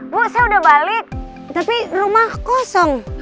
bu saya udah balik tapi rumah kosong